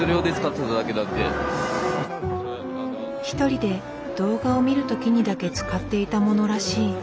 一人で動画を見る時にだけ使っていたモノらしい。